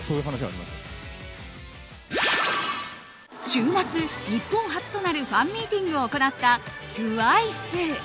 週末、日本初となるファンミーティングを行ったＴＷＩＣＥ。